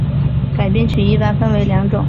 改编曲一般分为两种。